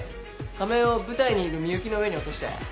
仮面を舞台にいる美雪の上に落として。